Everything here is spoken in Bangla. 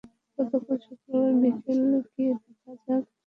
গতকাল শুক্রবার বিকেলে গিয়ে দেখা যায়, লেক রোডের শুরুর দিকের অংশে পানি নেই।